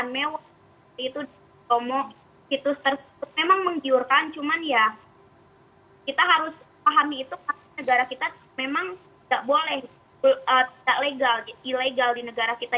memang menggiurkan cuman ya kita harus pahami itu karena negara kita memang tidak boleh ilegal di negara kita